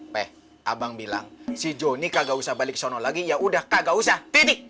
peh abang bilang si joni kagak usah balik ke sana lagi yaudah kagak usah titi